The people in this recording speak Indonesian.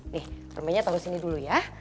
nih permainnya tahu di sini dulu ya